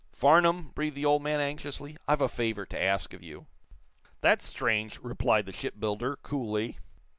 "Farnum," breathed the old man, anxiously, "I've a favor to ask of you." "That's strange," replied the shipbuilder, coolly.